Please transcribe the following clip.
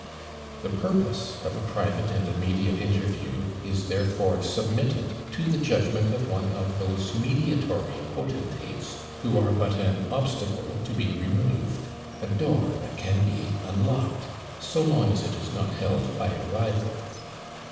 The purpose of a private and immediate interview is therefore submitted to the judgment of one of those mediatory potentates who are but an obstacle to be removed, a door that can be unlocked, so long as it is not held by a rival.